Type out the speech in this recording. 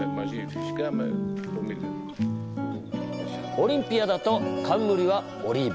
オリンピアだと冠はオリーブ。